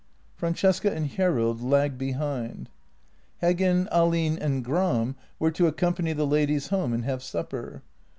Francesca and Hjerrild lagged behind. Heggen, Ahlin, and Gram were to accompany the ladies home and have supper.